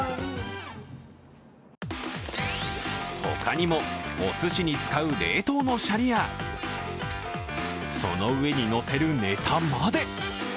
他にもおすしに使う冷凍のしゃりやその上にのせるネタまで。